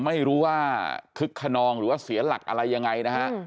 ไม่รู้ว่าคึกขนองหรือว่าเสียหลักอะไรยังไงนะฮะ